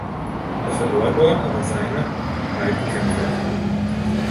Er verlor dort aber seine beiden Kämpfe nach Punkten.